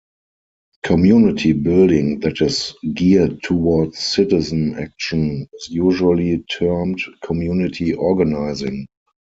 Community building that is geared toward citizen action is usually termed community organizing.